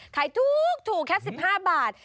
ขายถูกแค่๑๕บาท